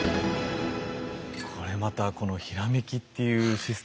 これまたこの閃きっていうシステム